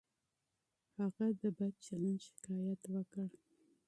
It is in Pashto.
هغه د بد چلند شکایت وکړ.